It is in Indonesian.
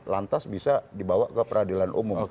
lantas bisa dibawa ke peradilan umum